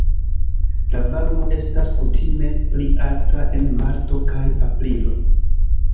La varmo estas kutime pli alta en marto kaj aprilo.